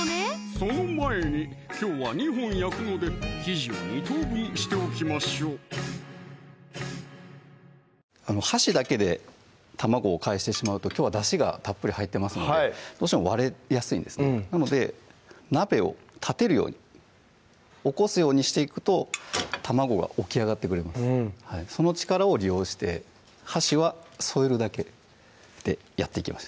その前にきょうは２本焼くので生地を２等分しておきましょう箸だけで卵を返してしまうときょうはだしがたっぷり入ってますのでどうしても割れやすいんですねなので鍋を立てるように起こすようにしていくと卵が起き上がってくれますその力を利用して箸は添えるだけでやっていきます